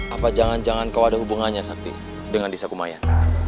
apa jangan jangan kau ada hubungannya sakti dengan desa kumayan